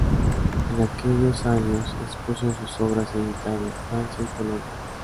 En aquellos años, expuso sus obras en Italia, Francia y Polonia.